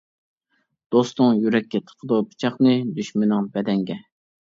دوستۇڭ يۈرەككە تىقىدۇ پىچاقنى، دۈشمىنىڭ بەدەنگە.